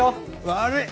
悪い！